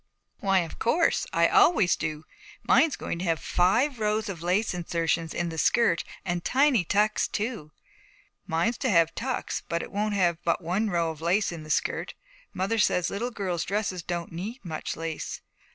'Why, of course. I always do. Mine's going to have five rows of lace insertion in the skirt and tiny tucks too.' 'Mine's to have tucks, but it won't have but one row of lace in the skirt. Mother says little girls' dresses don't need much lace.'